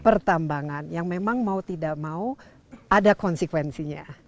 pertambangan yang memang mau tidak mau ada konsekuensinya